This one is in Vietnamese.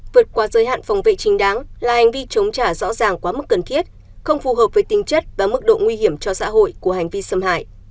vượt qua giới hạn phòng vệ chính đáng là hành vi chống trả rõ ràng quá mức cần thiết không phù hợp với tinh chất và mức độ nguy hiểm cho xã hội của hành vi xâm hại